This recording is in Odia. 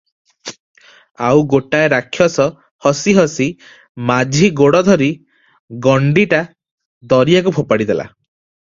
ଆଉ ଗୋଟାଏ ରାକ୍ଷସ ହସି ହସି ମାଝି ଗୋଡ ଧରି ଗଣ୍ଡିଟା ଦରିଆକୁ ଫୋପାଡ଼ି ଦେଲା ।